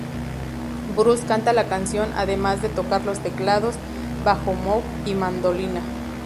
Bruce canta la canción además de tocar teclados, bajo moog y mandolina.